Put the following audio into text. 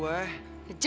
semuanya pokoknya ya